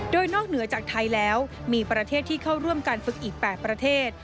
โดยนอกเหนือจากไทยแล้วมีประเทศที่เข้าร่วมการฝึกอีก๘ประเทศ